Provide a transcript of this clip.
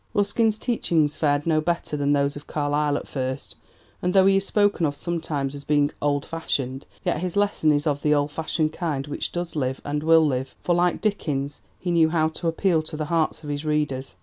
Ruskin's teachings fared no better than those of Carlyle at first, and though he is spoken of sometimes as being 'old fashioned,' yet his lesson is of the old fashioned kind which does live and will live, for, like Dickens, he knew how to appeal to the hearts of his readers.